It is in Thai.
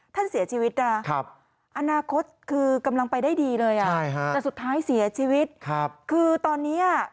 ท่านเสียชีวิตนะอนาคตคือกำลังไปได้ดีเลยอ่ะใช่ฮะแต่สุดท้ายเสียชีวิตคือตอนนี้